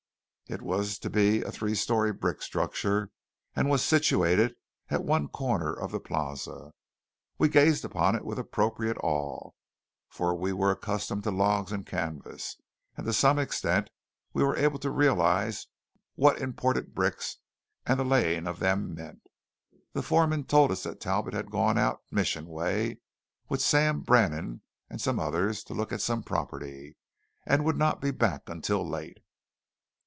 It was to be a three story brick structure, and was situated at one corner of the Plaza. We gazed upon it with appropriate awe, for we were accustomed to logs and canvas; and to some extent we were able to realize what imported bricks and the laying of them meant. The foreman told us that Talbot had gone out "Mission way" with Sam Brannan and some others to look at some property, and would not be back until late.